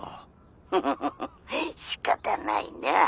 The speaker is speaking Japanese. ☎フフフフしかたないな。